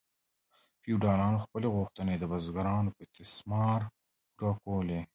فیوډالانو خپلې غوښتنې د بزګرانو په استثمار پوره کولې.